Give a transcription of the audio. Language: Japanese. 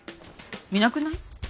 見なくない？